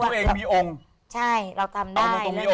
มีองค์ใช่เราทำได้